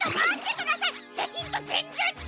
しゃしんとぜんぜんちがいます！